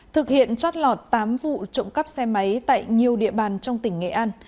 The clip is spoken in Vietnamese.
thực hiện trót lọt tám vụ trộm cắp xe máy tại nhiều địa bàn trong tỉnh nghệ an